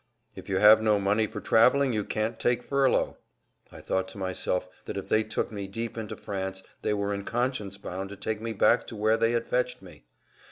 "If you have no money for traveling you can't take furlough." I thought to myself that if they took me deep into France they were in conscience bound to take me back to where they had fetched me.